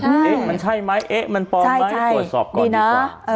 เอ๊ะมันใช่ไหมเอ๊ะมันปลอมไหมตรวจสอบก่อนดีนะ